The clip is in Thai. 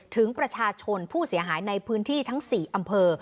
ถึงประชาชนผู้เสียหายในพื้นที่ทั้ง๔อำเภอ